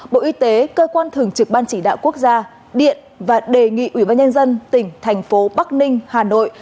bộ y tế cơ quan thường trực ban chỉ đạo quốc gia điện và đề nghị ủy ban nhân dân tỉnh thành phố bắc ninh hà nội